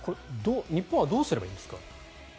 日本はどうすればいいんですか？